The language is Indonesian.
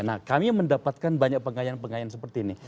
nah kami mendapatkan banyak pengayaan pengayaan seperti ini